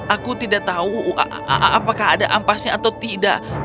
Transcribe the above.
aku tidak tahu apakah ada ampasnya atau tidak